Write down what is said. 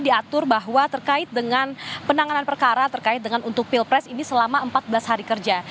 diatur bahwa terkait dengan penanganan perkara terkait dengan untuk pilpres ini selama empat belas hari kerja